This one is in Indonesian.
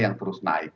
yang terus naik